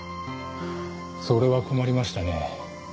それは困りましたね。